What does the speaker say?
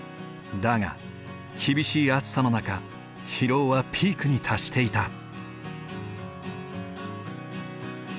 だが厳しい暑さの中疲労はピークに達していた。